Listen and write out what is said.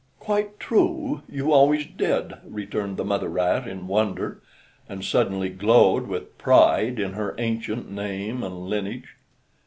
"Quite true! you always did," returned the mother rat in wonder, and suddenly glowed with pride in her ancient name and lineage.